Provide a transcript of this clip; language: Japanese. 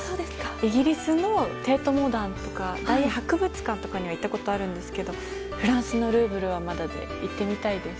イギリスの帝都モダンとか大博物館とかには行ったことあるんですけどフランスのルーヴルはまだで、行ってみたいです。